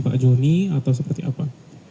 pak joni atau seperti apa